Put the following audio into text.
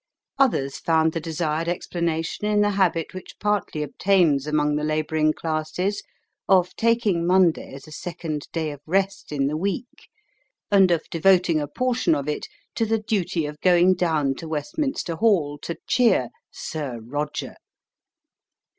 Others found the desired explanation in the habit which partly obtains among the labouring classes of taking Monday as a second day of rest in the week, and of devoting a portion of it to the duty of going down to Westminster Hall to cheer "Sir Roger."